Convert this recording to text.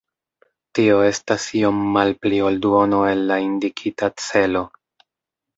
Tio estas iom malpli ol duono el la indikita celo.